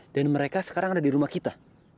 dan mereka sekarang ada di rumah kita